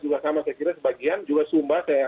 juga sama saya kira sebagian juga sumba saya